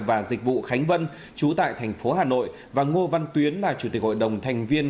và dịch vụ khánh vân chú tại thành phố hà nội và ngô văn tuyến là chủ tịch hội đồng thành viên